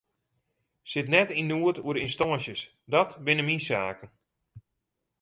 Sit net yn noed oer de ynstânsjes, dat binne myn saken.